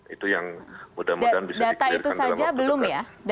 itu yang mudah mudahan bisa dikirakan dalam waktu kedua